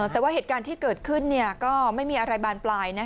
แต่ว่าเหตุการณ์ที่เกิดขึ้นก็ไม่มีอะไรบานปลาย